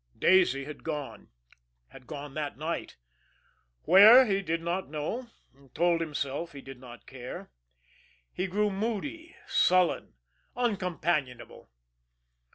Daisy had gone had gone that night where, he did not know, and told himself he did not care. He grew moody, sullen, uncompanionable.